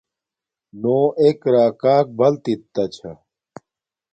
نو ایک راکاک بلتت تا چھا